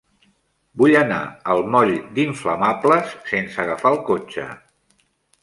Vull anar al moll d'Inflamables sense agafar el cotxe.